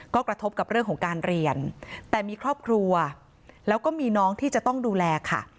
ก็กระทบกับเรื่องของการเรียนแต่มีครอบครัวแล้วก็มีน้องที่จะต้องดูแลค่ะ